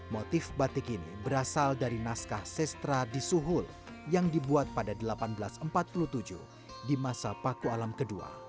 motif batik ini berasal dari naskah sestra di suhul yang dibuat pada seribu delapan ratus empat puluh tujuh di masa paku alam kedua